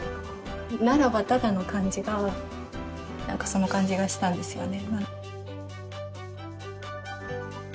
「ならばただ」の感じが何かその感じがしたんですよね。